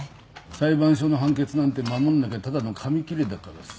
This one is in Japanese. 裁判所の判決なんて守んなきゃただの紙切れだからさ。